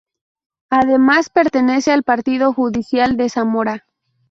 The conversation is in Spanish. Además, pertenece al partido judicial de Zamora.